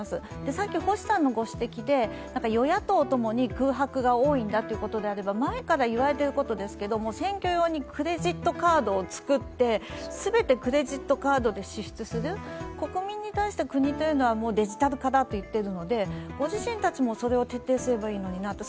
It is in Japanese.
さっき星さんのご指摘で、与野党ともに空白が多いんだということであれば、前から言われてることですが選挙用にクレジットカードを作って全てクレジットカードで支出する、国民に対して国はデジタル化だと言っているので、ご自身たちもそれを徹底すればいいのになと。